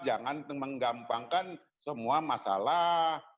jangan menggampangkan semua masalah